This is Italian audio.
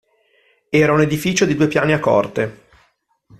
Era un edificio di due piani a corte.